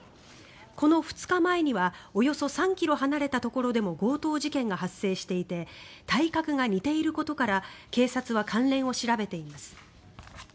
この２日前にはおよそ３ｋｍ離れたところでも強盗事件が発生していて体格が似ていることから警察は関連を調べています。